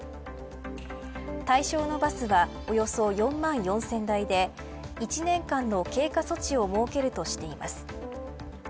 対象のバスはおよそ４万４０００台で１年間の経過措置を設けるとしています。